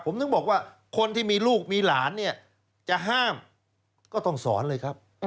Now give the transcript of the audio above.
ผมถึงบอกว่าคนที่มีลูกมีหลานเนี่ยจะห้ามก็ต้องสอนเลยครับ